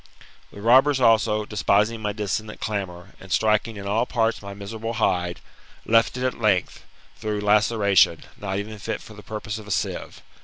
The robbers also, despising my dissonant clamour, and striking in all parts my miserable hide, left it at length, [through laceration], not even fit for the purpose of a sieve.